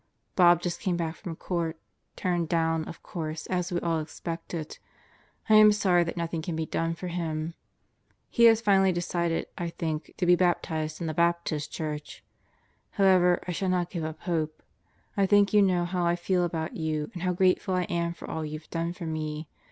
... Bob just came back from Court turned down, of course, as we all expected. I am sorry that nothing can be done for him. ... He has finally decided, I think, to be baptized in the Baptist church. However, I shall not give up hope. ... I think you know how I feel about you and how grateful I am for all you've done for me.